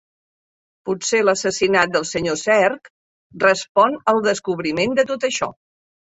Potser l'assassinat del senyor Cerc respon al descobriment de tot això.